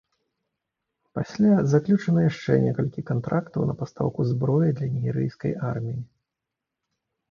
Пасля, заключаны яшчэ некалькі кантрактаў на пастаўку зброі для нігерыйскай арміі.